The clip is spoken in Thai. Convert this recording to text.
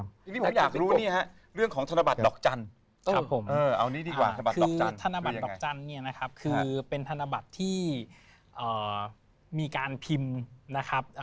คือธนบัตรดอกจันทร์เนี่ยนะครับคือเป็นธนบัตรที่มีการพิมพ์นะครับ